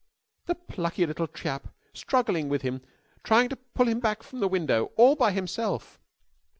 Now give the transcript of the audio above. "The plucky little chap! Struggling with him! Trying to pull him back from the window! All by himself!"